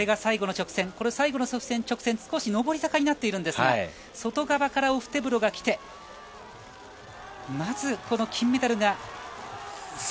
最後の直線が少し上り坂になっているんですが外側からオフテブロがきてまず金メダルが。